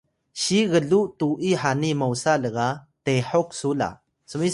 siy gluw tu’i hani mosa lga tehok su la